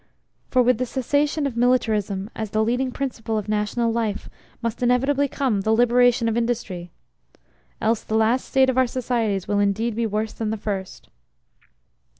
For with the cessation of Militarism as the leading principle of national life must inevitably come the liberation of Industry else the last state of our societies will indeed be worse than the first.